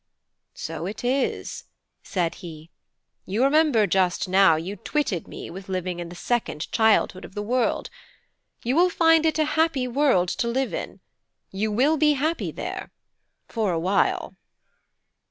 "So it is," said he. "You remember just now you twitted me with living in the second childhood of the world. You will find it a happy world to live in; you will be happy there for a while."